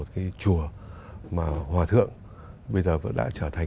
và gửi cho một cái chùa mà hòa thượng bây giờ đã trở thành